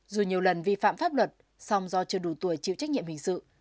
dù nhiều lần vi phạm pháp luật song do chưa đủ tuổi chịu trách nhiệm hình sự